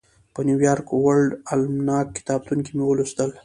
په نیویارک ورلډ الماناک کتابتون کې مې ولوستل.